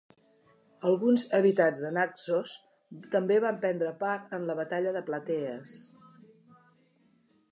Alguns habitants de Naxos també van prendre part en la Batalla de Platees.